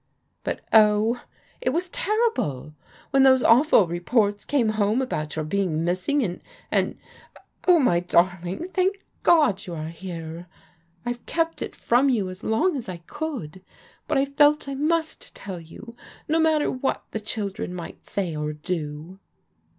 But oh, it was terrible! When those awful reports came home about your being missing and — and — oh, my dar hng, thank God you are here ! I've kept it from you as it THE DISILLUSIONMENT 39 long as I could, but I felt I must tell you, no matter what the children might say or do."